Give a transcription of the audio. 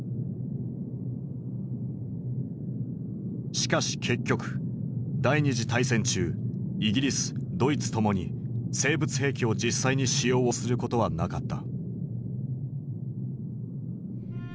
しかし結局第二次大戦中イギリスドイツともに生物兵器を実際に使用をすることはなかった。